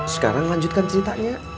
sekarang lanjutkan ceritanya